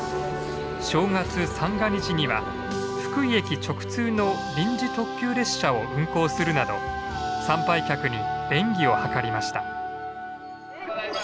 正月三が日には福井駅直通の臨時特急列車を運行するなど参拝客に便宜を図りました。